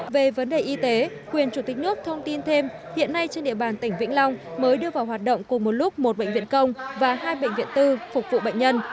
về vấn đề y tế quyền chủ tịch nước thông tin thêm hiện nay trên địa bàn tỉnh vĩnh long mới đưa vào hoạt động cùng một lúc một bệnh viện công và hai bệnh viện tư phục vụ bệnh nhân